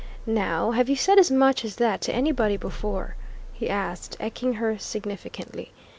"Now, have you said as much as that to anybody before?" he asked, eking her significantly.